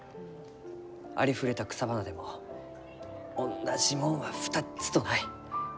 ありふれた草花でもおんなじもんは２つとない。